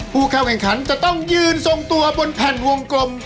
ผู้เข้าแข่งขันจะต้องยืนทรงตัวบนแผ่นวงกลม